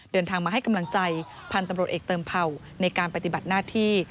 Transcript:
เดินทางมาให้กำลังใจพันธุ์ตำรวจเอกเติมเผ่าในการปฏิบัติหน้าที่